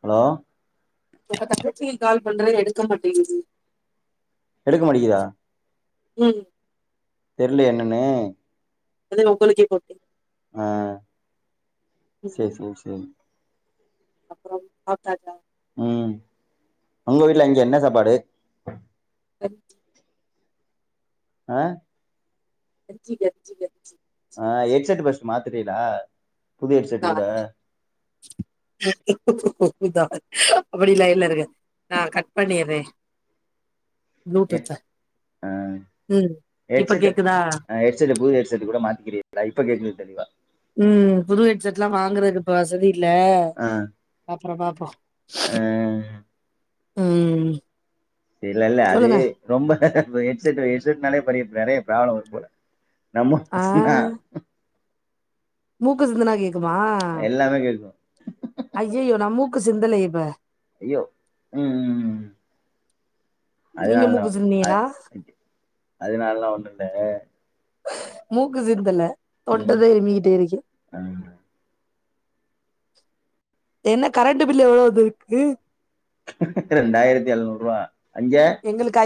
Hello எங்க தங்கச்சிக்கு call பண்ற எடுக்கமாட்டேங்குது எடுக்கமாட்டிகிதா ம் தெரிலே என்னன்னு அது உங்களுக்கே கொட்டு ஆ சேரி சேரி சேரி அப்புறோ சாப்டாச்சா ம் உங்க வீட்ல அங்க என்ன சாப்பாடு வெஜ் ஆ வெஜ் வெஜ் வெஜ்ஜி ஆ ஹெட் செட் பஸ்ட் மாத்திரேலா புது ஹெட் செட் பொட [unintelligible] அப்படியே லைன்ல இருங்க நா கட் பண்ணிறே ஏ ஆ ம் இப்ப ஹெட்செட் கேக்குதா ஆ ஹெட்செட் புது ஹெட்செட் கூட மாத்திக்கிறீங்களா இப்ப கேக்குது தெளிவா உ புது ஹெட் செட்லா வாங்குறது இப்ப வசதி இல்ல ஆ பா அப்ற பாப்போ ஆ உ இல்லல்ல அது ரொம்ப ஹெட்செட்டு ஹெட் செட்ன்னாலே பெரிய நிறைய ப்ராப்ளம் வருபோல நம்ம சொன்னா மூக்க சிந்துனா கேக் குமா எல்லாமே கேக்கு அய்யய்யோ நா மூக் சிந்தலையே இப்ப அய்யோ உ உ உ நீங்க அதனாலதா மூக்கு ஆ சிந்தீங்களா ஓகே அதனாலதா ஒண்ணே ஆ மூக்கு சிந்தல தொண்டத ம் இரும்பிக்கிட்டே இருக்கே ஆ என்ன கரண்ட் பில் எவ்ளோ வந்துருக்கு ரெண்டாயிரத்தி எழுநூறு ரூபா அங்க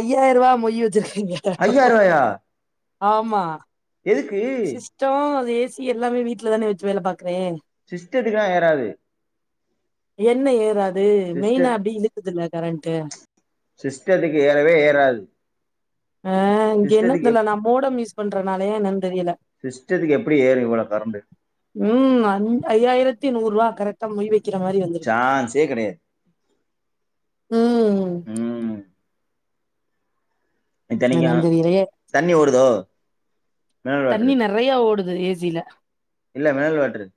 ஐயாயிரரூபா மொய்யி வச்சிருக் இங்க ஐயாயிரம் ரூபாயா ஆமா எதுக்கு சிஸ்டம் அதே ஏ சி எல்லாமே வீட்ல தான வச்சி வேல பாக் சிஸ்டத்துக்கெல்லா ஏறாது என்ன ஏறாது து மெயினா சிஸ்டர் அப்டியே இழுக்குதுல கரண்ட்டு சிஸ்டத்துக்கு ஏறவே ஏறாது ஆ இங்க சிஸ்டத்துக்கு என்னதல்ல எப் நம்மோட மிஸ் போன்றனாலே என்னனு தெரியல சிஸ்டத்துக்கு எப்படி ஏறும் இவ்வளவு கரண்ட் ம் அஞ் ஐயாயிரத்தி நூறு ரூவா கரெக்ட் த மொய் வெய் கக்கிற மாதிரி வந்திருக்கு சான்ஸே கிடையாது ம் ம் இத்தனைக்கு என்னன்னு தெரியலையே தண்ணி ஓடுதோ மினரல் தண்ணி வாட்டர் நிறையா ஓடுது அதா ஏசில இல்ல மினரல் வாட்டர்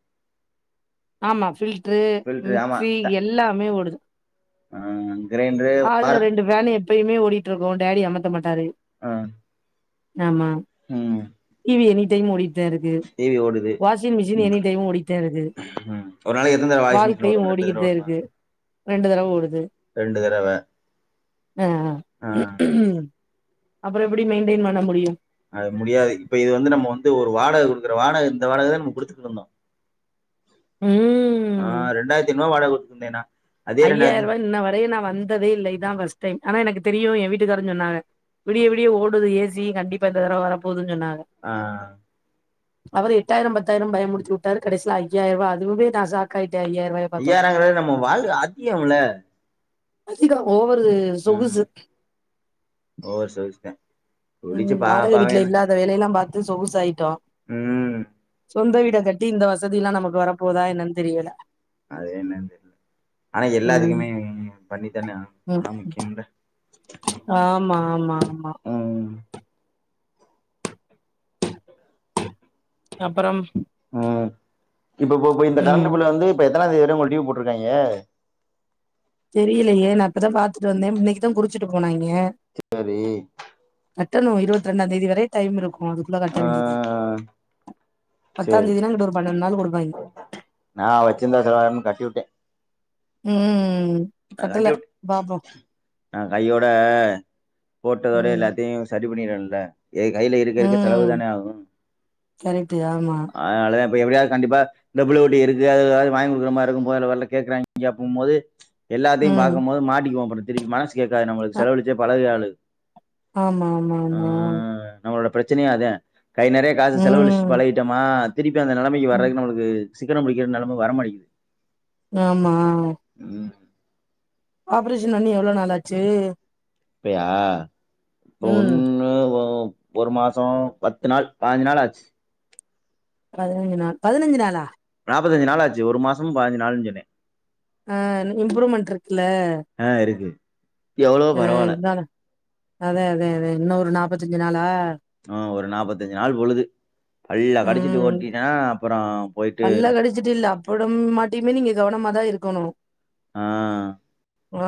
ஆமா ஃபில்டரு ஃபில்டர் மிக்சி எல்லாமே ஓடுது ம் ஹால்ல ரெண்டு ஃபேனைய எப்பயமே ஓடிட்டு இருக்கு டேடி அமத்த மாட்டாரு ஆ ஆமா ம் டிவி எனி டைம் ஓடிட் இருக்கு டிவி ஓடுது வாஷிங் மிஷின் ம். எனனி டைம் ஓடிட்டே இருக்கு ஒரு நாளைக்கு எத்தனை தடவை வாய்ஸ் மிஷின் வாழ்க்கையு ஓடுங்க ரெண்டு தடவை ஓடிக்கிட்டே ஓடுமா இருக்கு ரெண்டு தடவ ஓடுது ரெண்டு தடவ ஆ அ ம் அப்புறோ எப்டி மெயின்டெயின் பண்ண முடியு அது முடியாது இப்ப இது வந்து நம்ம வந்து ஒரு வாடக கொடுக்குற வாடக இந்த வாடகைதானே நம்ம குடுத்துக்குட்டு இருந்தோ ஆ ம் ரெண்டாயிரத்திஐநூருவா வாடக ந்தேனா ஐயாயிர ரூவாய் இன்ன வர வந்ததே இல்ல இதா ஃபர்ஸ்ட் டைம் ஆனா எனக்கு தெரியு என் வீட்டுக்காரருன்னு சொன்னாங்க விடிய விடிய ஓடுது ஏசி கண்டிப்பா இந்த தடவ வரப்போகுது ஆ அவரு எட்டாயிரம் பத்தாயிரம் பயம் முறுத்து விட்டாரு கடைசில ஐயாயிரூவா அதுவே நா சாக்கா ஐய்யாரங்கறத நம்ம வாழ் திகம்ல அதிக ஓ ஒரு சொகுசு ஓவர் சொல்லிட்டேன். உம் புடிச்சு பா வாடகை வீட்ல இல்லாத வேலையெல்லா பாத்த இது சொகுசாய்டோ உம் சொந்த வீட கட்டி இந்த வசதி எல்லா நமக்கு வரப்போதா என்னன்னு தெரியல அது என்ன ஆனா ம் எல்லாத்துக்குமே பண்ணித்தானே ஆகனு ம் நாஜமுக்கியம்ல்ல ஆமா ஆமா ஆமா உம் அப்பறம் ஆ இப்ப இ இந்த ம் கரண்டு பில்லு வந்து எத்தனாந்தேதி வர ஒங்களுக்கு டீவ் போட்டுருக்காங்க தெரியலையே நா இப்பதா பாத் தும் இன்னைக்குதா குறுச்சிட்டு போனாங்க சரி கட்டணு இருபத்தி ரெண்டாம் தேதி வரை டைம் இருக்கு அதுக்குள்ள கட்ட ஆ வேண்டியதுதா பத்தாம் தேதினா அங்குட்டு ஒரு பன்னெண்டு நாள் வரு வை நா வச்சிருந்தா செலவாய்ரு கட்டி விட்டே உம் ந கட்டி விட் நா கையோட போட்டதோட ம் எல்லாத்தையு சரி இது பண்ணினேல்ல ஏ கையில இருக்க இருக்க செலவு ம் தான ஆகு கரெக்ட்டு ஆமா அதனால இப்ப எப்படியாவ கண்டிப்பா இந்த புள்ள குட்டிக இருக்குக ஏதாவது வாங்கி குடுக்குறமாரி இருக்கு போகேல வறேல கேக்குறாங்க அப்டின்போது எல்லாத்தையு ம் பாக்கும்போது மாட்டிக்குவோ பெறகு குமா கேட்டா நம்மளுக்கு அ செலவழிச்சு பழையாளு ஆமா ஆமா ஆமா ச்சனை அதே கை நெறைய காசு செலவழிச்சிட்டு ம் பழயிட்டமா அந்த நெலைமைக்கு ம் வர்றதுக்கு நம்மளுக்கு சிக்கனம் புடிக்கிறது நெலம வரமாட்டக்கு ஆமா ஆ ஆப்ரேஷன் அண்ணி எவ்ளோ நல்லாச்சி அப்பயா கொன்னு ஓ ஒரு மாசோ பத்து நாள் பாஞ்சி நாள் ஆச்சி பதினஞ்சு நாள் பதினஞ்சு நாளா நாப்பதஞ்சி நாள் ஆச்சி ஒரு மாசோ பதிஞ்சி நாள்ன்னு சொன்னே ஆ இம்ப்ருமென்ட் இருக்குல்ல ஆ இருக்கு எவ்ளோ பரவாயில்ல அதனால அதே அதே அதே இன்னொரு நாப்பத்தஞ்சி நாளா ஆ ஒரு நாப்பத்தஞ்சி நாள் பொழுது பள்ள கடிச்சிட்டு ம் ஓட்டிட்டா அப்புறோ பல்ல கடிச்சிட்டு இல்ல அப்புடம் மாட்டிமே நீங்க கவனமாதா இருக்கணு ஆ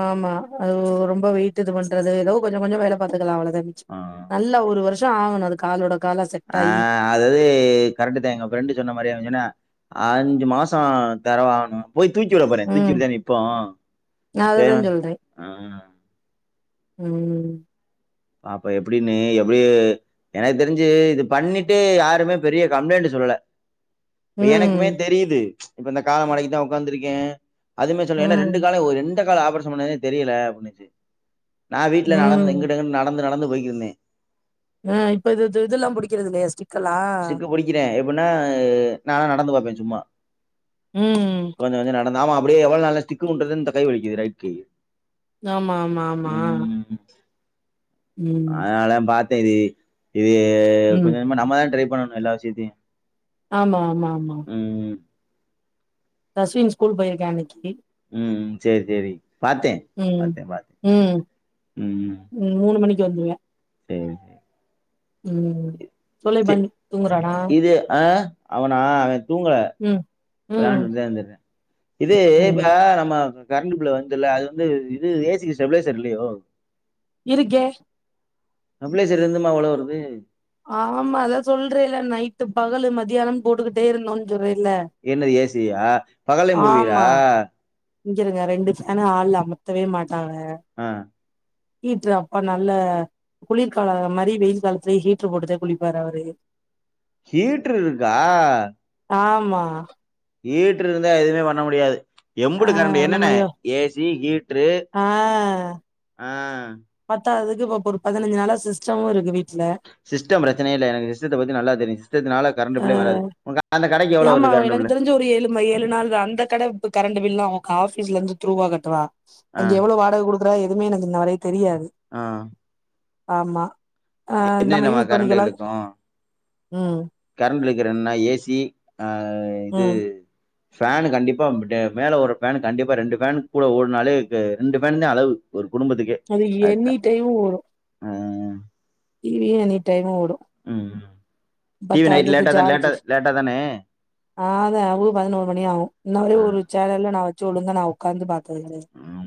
ஆமா அது ரொம்ப வெயிட் இது பண்றது ஏதோ கொஞ்ச கொஞ்சோ வேல பாத்துக்கலா அவ்ள த மிச்சி ஆ, நல்ல ஒரு வருஷ் ட்டா ஆகனோ அது காலோட காலா செட் ஆ ஆயி அதாது கரெக்ட்தா எங்க ஃப்ரெண்டு் சொன்ன மாரியா அவே சொன்னா அஞ்சு மாசம் தரவாணு போய் தூக்கி விட போறே ம் தூக்கிவிட்டதா நிப்போ ஆ நா தேவ அததா சொல்றே அ ம் பாப்போ எப்பிடின்னு எப்பிடி எனக்கு தெரிஞ்சி இது பண்ணிட்டு யாருமே பெரிய கம்ப்ளைண்ட் சொல்லல இப்ப எனக்குமே ம் தெரியுது இப்ப இந்த கால மடைக்குதா உக்காந்துருக்கே அதுமே சொல்லு ஏன்னா ம் ரெண்டு கால ஒரு ரெண் எந்த காலு ஆபரேசன் பண்ணதே தெரியல நா வீட்ல நடந்து ம் இங்குட்டு அங்கட்டு நடந் நடந்து போய்கிருந்தே ஆ இப்ப இ இதெல்லா புடிகிறது இல்லையா ஸ்டிக் ஸ்டிக்கு புடிக்குறே எப்டின்னா நானா நடந்து பாப்பே சும்மா உம் நாம அப்டியே எவ்வளோ நாளு தா ஸ்டிக் ஊன்றது கை வலிக்குது நைட்டு ஆமா ஆமா ஆமா ம் அதனாலதா பாத் சரி இது ம் கொஞ்ச கொஞ்சமா நம்மதா ட்ரை பண்ணனு எல்லா விஷயத்தையு ஆமா ஆமா ஆமா ம் தஸ்வின் ஸ்கூல் போயிருக்கா இன்னைக்கி ம் சேரி சேரி பாத்தே உம் பாத்தே பாத்தே உம் ம் உம் மூனு மணிக்கு இங்க வந்துருவியா சேரி சேரி உம் தொல்லை சே பண்ணி தூங்குறனா இது ஆ அவனா அவ தூங்கல ம். விளாண்டுட்டு தா இருந்தே இது இப்ப ம். நம்ம கரண்ட்டு பில் வந்துச்சுல அது வந்து இது ஏசிக்கு ஸ்டெபிளேசர் இல்லையோ இருக்கே ஸ்டெப்ளேசர் இருந்துமா அவ்வள வருது ஆமா அதா சொல்றேல்ல நைட்டு பகலு மதியான போட்டுக்கிட்டே இருந்தோனு சொல்ற என்னது ஏசியா பகல்லயு போடுவீங்ளா இங்கிருங்க ரெண்டு ஃபேன ஹாள்ல அமத்தவே மாட்டே ட்டாங்க ஆ ஹீட்ரு அப்பா நல்ல குளிர்கால மாதிரி வெயில் காலத்துலயே ஹீட்ரு போட்டுதா குளிப்பாரு அவரு ஹீட்ரு இருக்கா ஆமா ஈட்று இருந்தா எதுவுமே பண்ண முடியாது ஆ எம்புட்டு கரண்ட்டு என்னன்ன நம்ம யோ ஏசி ஹீட்ரு ஆ பாத் பத்தாதுக்கு இப்ப ஒரு பதினஞ்சு நாள சிஸ்டமு இருக்கு வீட் சிஸ்டம் பிரச்சனையே இல்ல எனக்கு சிஸ்டத்த பத்தி நல்லா தெரியு சிஸ்டத்துனால கரண்டு அ பில்லே வராது உ ஆமா எனக்கு தெரிஞ்சு ஒரு ஏழு ஏழு நாள் தா அந்த கட இ கரண்டு பில்லு ஆஃபீஸ்ல இருந்து த்ரூவா கட்டுவா ஆ அங்க எவ்வளவு வாடக குடுக்குறா எதுவுமே எனக்கு இன்ன வரையு தெரியாது ஆ ஆமா ஆ நம்ம என்னென்னமா யூஸ் பண்ணிக்கலா உம் கரண்ட்டிலுகுறதுன ஏசி ஆ இது ம் ஃபேனு கண்டிப்பா மேல ஒரு ஃபேனு கண்டிப்பா ரெண்டு ஃபேனு கூட ஓடுனாலே ரெண்டு ஃபேனு தா அளவு குடும்பத்துக்கே அது அதுதா எனி டைமு ஓடு ஆ டி வியு எனி டைமு ஓடு ம்‌ ம் ம் பத்தாதுக்கு ஜார்ஜு தானே ஆ தா பதினோரு மணி ஆகு இன்ன வரை ஆ ஒரு சேனல்ல நா வச் ச்சுடுங்க நா ஒக்காந்து பா [unintelligible] ம்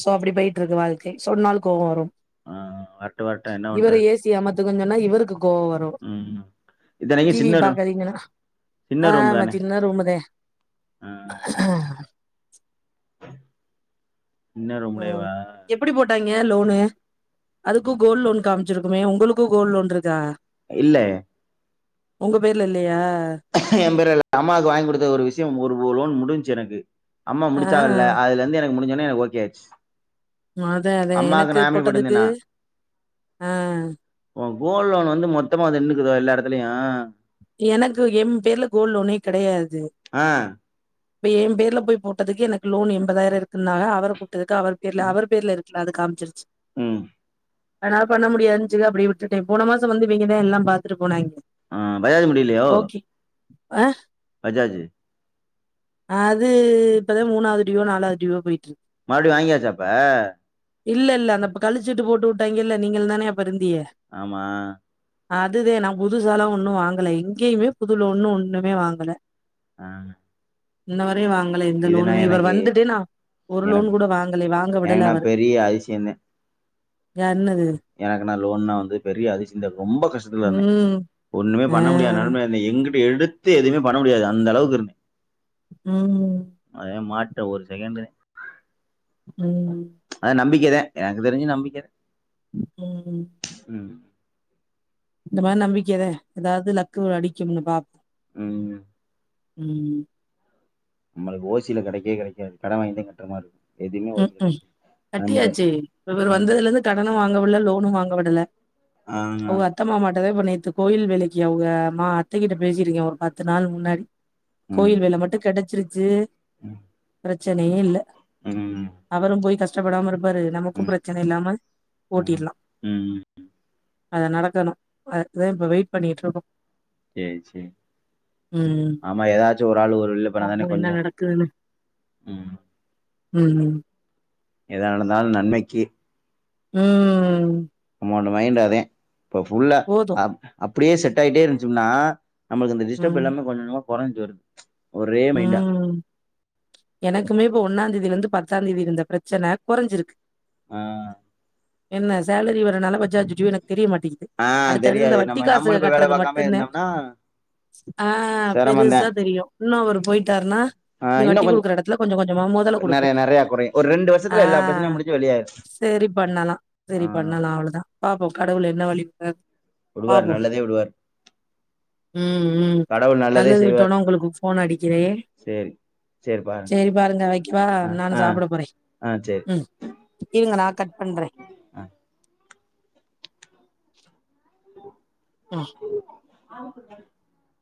சோ அப்டி பேயிட்டுருக்கு வாழ்க்கை சொன்னால் கோவம் வரும் ஆ வரட்டும், வரட்டும் என்ன இவர பண்றது? ஏசி அமத்துங்கன்சொன்னா இவருக்கு கோவ வரு ம். டீ இத்தனைக்கும் வி சின்ன ரூம் பாக்காதீங்கன் சொன்னா சின்ன ரூம் ஆமா தானே! சின்ன ரூம்பதா ஆ ஆ சின்ன ம் ரூம்லேவா? எப்புடி போட்டாங்க லோனு அதுக்கு கோல் லோன் காமிச்சிருக்குமே ஒங்களுக்கு கோல் லோன் இருக்கா இல்ல ஒங்க பேர்ல இல்லையா என் பேர்ல் இல்ல அம்மாக்கு வாங்கி குடுத்த ஒரு விஷய ஒர் ஒரு லோன் முடிஞ்சு ஜறங்கு அம்மா ஆ முடிச்சாகல்ல அதுலருந்து எனக் முடிஞ்சொன்னே எனக் ஓகே ஆச்சு அதே அதே அம்மாக்கு எனக்கு நா எப்டி போட்டதுக்கு போட்டுந்தனா ஆ உ கோல் லோன் வந்து மொத்தமா அது என்னசொல்றது எல்லா எடத்லயு தல்லையா எனக்கு எம் பேர்ல கோல் லோனே கெடையாது அ இப்ப என் பேர்ல போய் போட்டதுக்கு எனக்கு லோன் எண்பதாயிரோ இருக்குன்னாஹ அவரு ட்ருக்கு அவர் பேர்ல அவர் பேர்ல ருக்கு ஃபுலா அது காமிச்சிருச்சு ம் அதனால பண்ண முடியாதுனு சொல்லி அப்புடியே விட்டுட்டே போன மாசம் வந்து இவிங்கதா எல்லா பாத்துட்டு போனாங் ஆ பயாது முடிலையோ ஆ பஜாஜு அது ப்பதா மூணாவது டுயூவோ நாலாவது டுயூவோ போயிட்டு இருக்கு மறுடியு வாங்கியாச்சாப்ப இல்லல்ல அந்தப் கழிச்சிட்டு போட்டு வுட்டாங்கல்ல நீங்களு தான அப்ப இரு ஆமா அதுதே நா புதுசாலா ஒண்ணு வாங் கல எங்கேயுமே புதுல ஒன்னு ஒண்ணுமே வாங்கல ஆ ன்னவ வாங்கல எந்த இதுனா லோனுமே இவர் எனக்கு வந்துட்டு நா ஒரு லோன் எனக்கு கூட வாங்கல வாங்க விடல எனக்குனா அவரு யாரு எனக்கு நா லோன்லா வந்து பெரிய அதிசயதா ரொம்ப கஷ்டத்துல இருந்தெ ம். ஒண்ணுமே பண்ண ஆ. முடியாத நிலமைலருந் எங் எனங்கிட்ட எடுத்து எதுவுமே பண்ண முடியாது அந்த அளவுக்கு இருந்து ம் இந்தா ஒரு செகண்ட் ம் த எனக்கு தெரிஞ்சு நம்பிக்க ம் ம் ம் இந்த மாதிரி நம்பிக்கைத ஏதாவது னு அடிக்கனு பா ம் ம் நம்மளுக்கு ஓசியில கிடைக்கே கிடைக்காது கடை வாாங்கிதா கட்டுறமா இருக்கு ம் ம் கட்டியாச்சு இவர் ம். வந்ததுல இருந்து கடன வாங்கல விடல லோன் இன்னு வாங்க விடல ஆ. அவுங் அத்தம்மாமா கதை பண்ணித்து கோயில் வேலைக்கு அவுங்க ஆ அத்தைகிட்ட பேசிட்ருக்கெ ஒரு பத்து நாள் முன்னாடி ம். கோயில் வேல மட்டு கெடச் ச்சிருச்சு ம். பிரச்சனையே இல்ல ம். அவரு போய் கஷ் ஷ்டபடாம இருக் து நமக்கு ம். பிரச்சனை இல்லாம ம். ஓட்டிடலா ம். அத நடக்கணு அதுக்குதா இப்ப வெயிட் பண்ணிட்டு இருக்கோ செரி செரி ஆமா ஏதாச்சு ஒரு ஆள் ஒரு இது பண்ணாதானே பாப்போம் என்ன கொஞ்சோ நடக்குதுன்னு. ம் ம் ஏது நடந்தாலு நன்மைக்கு ம் நம்மளொட மைண்டு அதே இப்பஃபுல்லா போதும். அப் அப் அப்டியே செட் ஆகிட்டே இருந்துச்சோம்னா நம்மளுக்கு இந்த டிஸ்டப் ம். இல்லாமே பன்னனு கொறைஞ்சு வருது ஒரே மைண்டா ம் எனக்குமே இப்ப ஒன்னாந்தேதி இருந்து பத்தா தேதி இருந்த பிரச்சனை குறைஞ்சிருக்கு ஆ என்ன சேலரி வேர நால ப்ஜாச்சு எனக்கு தெரிய மாட்டேங்குது ஆ அடுத்தடுத்து இந்த தெரியாது வட்டி நம்ம காசுக நம்மளு இப்ப வேல கட்டுறது பாக்காம மட்டுமந்தா இருந்தோம்னா ஆ சிரமந்தா பெருசா தெரியு இன்னு அவர் போயிட்டாருனா ஆ நீ இன்னு வட்டி கொஞ்ச கொடுக்குற எடத்துல கொஞ்சம் கொஞ்சமா மொதல்ல குடுப்பே நெறைய நெறைய கொறையு ஒரு ரெண்டு ஆ வருஷத்துல எல்லா பிரச்சனையு முடிஞ்சு வெளியாயிரு சரி பண்ணலா ஆ சரி பண்ணலா அவ்வளவுதா பாப்போ கடவுள் என்ன வழிக்கிராரு விடுவாரு பாப்போ நல்லதே விடுவாரு உம் உம் கடவுள் நல்லதே நல்லது செய்வார் விட்டோனா ஒங்களுக்கு போன் அடிக்கிறே சேரி சேரி பாருங்க சரிப்பாருங்க வக்கவா ஆ நானு ஆ சாப்ட போறே ஆ சேரி ம் இருங்க நா கட் பண்றே [inaudible] ஆ இன் ம். ஆடியபிள் [unintelligible] ஆமா க [unintelligible]